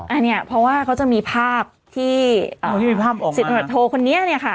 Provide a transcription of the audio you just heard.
อันเนี้ยเพราะว่าเขาจะมีภาพที่อ่าที่มีภาพออกมาสินบัตรโทรคนนี้เนี้ยค่ะ